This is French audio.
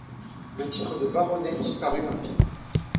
Le titre de baronnet disparut ainsi.